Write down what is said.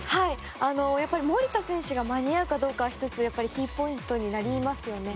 守田選手が間に合うかどうかがキーポイントになりますよね。